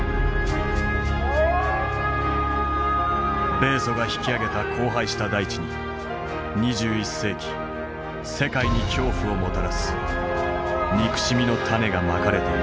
米ソが引き揚げた荒廃した大地に２１世紀世界に恐怖をもたらす憎しみの種がまかれていた。